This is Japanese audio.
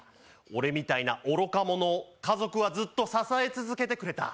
俺みたいな愚か者を家族はずっと支え続けてくれた。